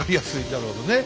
なるほどね。